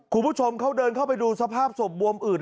คุณผู้ชมเขาเดินเข้าไปดูสภาพศพบวมอืด